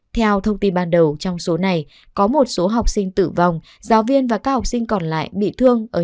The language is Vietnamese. theo thông tin ban đầu trong số này có một số học sinh tử vong giáo viên và các học sinh còn lại bị thương